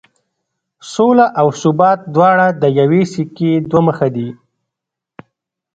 سوله او ثبات دواړه د یوې سکې دوه مخ دي.